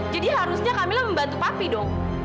jadi harusnya kamila membantu papi dong